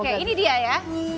oke ini dia ya